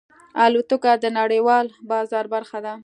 الوتکه د نړیوال بازار برخه ده.